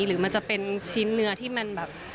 หรือมันจะเป็นชิ้นเนื้อที่มันแบบ